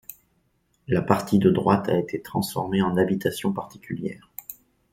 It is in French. La partie de droite a été transformée en habitation particulière.